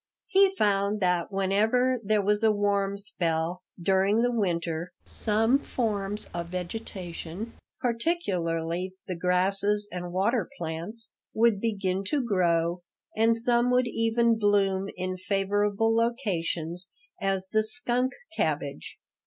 He found that whenever there was a warm spell during the winter some forms of vegetation, particularly the grasses and water plants, would begin to grow, and some would even bloom in favorable locations, as the skunk cabbage.